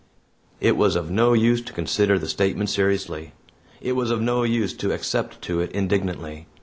It was of no use to consider the statement seriously. It was of no use to except to it indignantly.